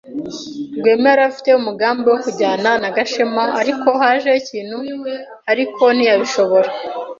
Rwema yari afite umugambi wo kujyana na Gashema, ariko haje ikintu ariko ntiyabishobora.